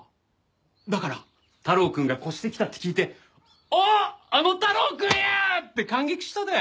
だから太郎くんが越してきたって聞いてあっあの太郎くんや！って感激したで。